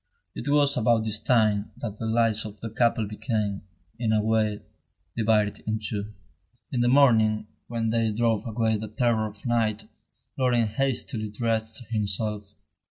It was about this time that the lives of the couple became, in a way, divided in two. In the morning, when day drove away the terror of night, Laurent hastily dressed himself.